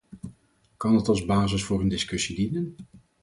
Kan het als basis voor een discussie dienen?